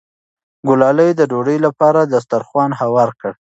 ګلالۍ د ډوډۍ لپاره دسترخوان هوار کړ.